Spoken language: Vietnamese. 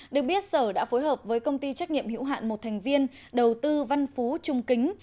được biết sở đã phối hợp với công ty trách nhiệm hữu hạn một thành viên đầu tư văn phú trung kính